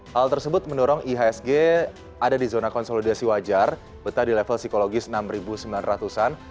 hal tersebut mendorong ihsg ada di zona konsolidasi wajar betah di level psikologis enam sembilan ratus an